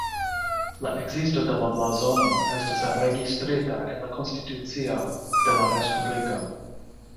La ekzisto de la blazono estas registrita en la konstitucio de la respubliko.